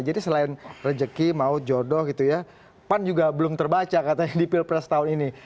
jadi selain rezeki maut jodoh gitu ya pan juga belum terbaca katanya di pilpres tahun ini